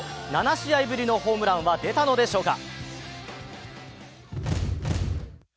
７試合ぶりのホームランは出たのでしょうか。